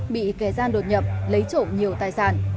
bị kẻ gian đột nhập lấy trộm nhiều tài sản